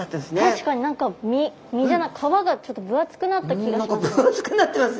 確かに何か身身じゃない皮がちょっと分厚くなった気がします。